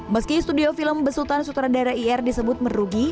meski studio film besutan sutradara ir disebut merugi